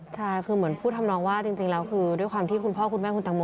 ใช่คือเหมือนพูดทำนองว่าจริงแล้วคือด้วยความที่คุณพ่อคุณแม่คุณตังโม